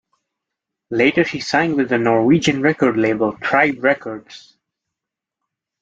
Later she signed with the Norwegian record label Tribe Records.